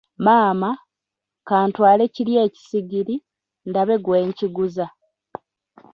Maama, ka ntwale kiri ekisigiri , ndaba ggwe nkiguza.